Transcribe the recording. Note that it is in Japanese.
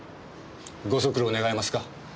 ご足労願えますか。